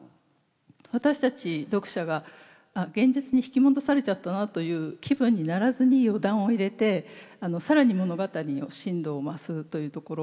私たち読者が現実に引き戻されちゃったなという気分にならずに余談を入れて更に物語の深度を増すというところ。